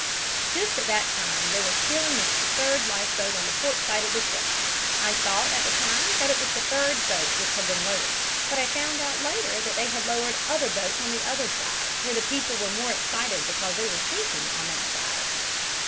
"Just at that time they were filling up the third life boat on the port side of the ship. I thought at the time that it was the third boat which had been lowered, but I found out later that they had lowered other boats on the other side, where the people were more excited because they were sinking on that side.